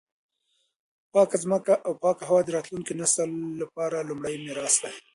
پاکه مځکه او پاکه هوا د راتلونکي نسل لپاره لوی میراث دی.